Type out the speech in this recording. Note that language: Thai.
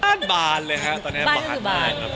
บ้านบานเลยฮะตอนนี้บ้านบ้าน